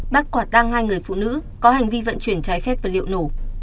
bắt quả tăng hai người phụ nữ có hành vi vận chuyển trái phép vật liệu nổ